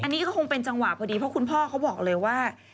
อันนี้ก็คงเป็นจังหวะพอดีเพราะคุณพ่อเขาบอกเลยว่า